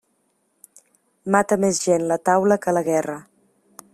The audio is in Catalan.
Mata més gent la taula que la guerra.